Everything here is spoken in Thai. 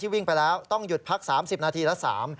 วิ่งไปแล้วต้องหยุดพัก๓๐นาทีละ๓